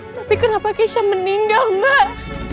tapi kenapa keisha meninggal gak